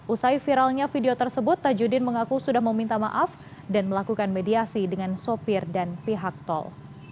usai viralnya video tersebut tajudin mengaku sudah meminta maaf dan melakukan mediasi dengan sopir dan pihak tol